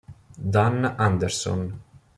Dan Anderson